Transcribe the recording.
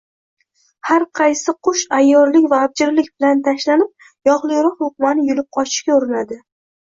Har qaysi qush ayyorlik va abjirlik bilan tashlanib yog‘liroq luqmani yulib qochishga urinadi.